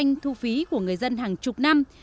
với những trạm thu phí của người dân hàng chục năm